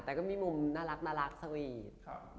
แต่ก็มีมุมน่ารักสวีท